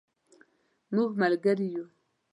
مونږ ملګري یو